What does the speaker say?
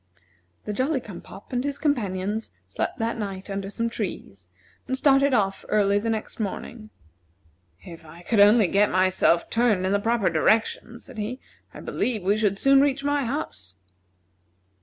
The Jolly cum pop and his companions slept that night under some trees, and started off early the next morning. "If I could only get myself turned in the proper direction," said he, "I believe we should soon reach my house."